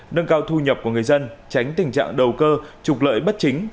nâng cao thu nhập của người dân tránh tình trạng đầu cơ trục lợi bất chính